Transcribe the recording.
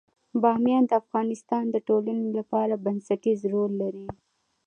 بامیان د افغانستان د ټولنې لپاره بنسټيز رول لري.